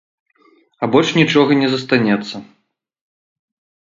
А больш нічога не застанецца.